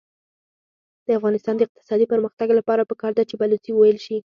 د افغانستان د اقتصادي پرمختګ لپاره پکار ده چې بلوڅي وویل شي.